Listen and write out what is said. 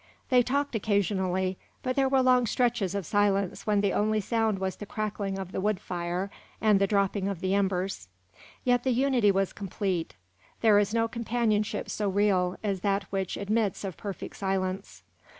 They talked occasionally, but there were long stretches of silence when the only sound was the crackling of the wood fire and the dropping of the embers. Yet the unity was complete; there is no companionship so real as that which admits of perfect silence.